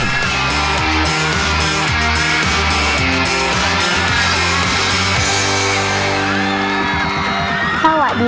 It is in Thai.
ยังเพราะความสำคัญ